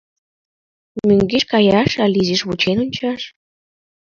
«Мӧҥгеш каяш але изиш вучен ончаш?